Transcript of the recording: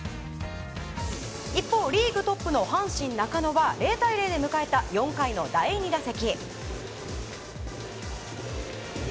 一方、リーグトップの阪神、中野は０対０で迎えた４回の第２打席。